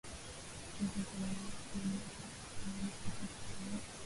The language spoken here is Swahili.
ezo kati ya timu ya pakistani na afrika kusini